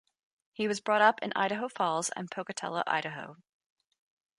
He was brought up in Idaho Falls and Pocatello, Idaho.